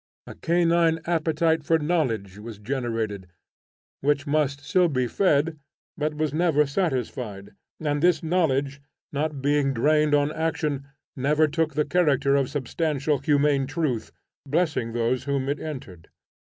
A canine appetite for knowledge was generated, which must still be fed but was never satisfied, and this knowledge, not being directed on action, never took the character of substantial, humane truth, blessing those whom it entered.